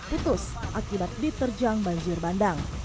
putus akibat diterjang banjir bandang